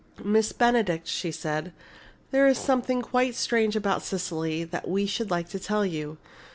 "Miss Benedict," she said, "there is something quite strange about Cecily that we should like to tell you.